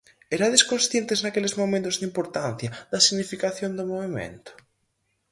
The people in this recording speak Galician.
Erades conscientes naqueles momentos da importancia, da significación do movemento?